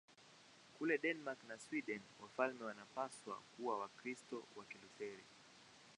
Kule Denmark na Sweden wafalme wanapaswa kuwa Wakristo wa Kilutheri.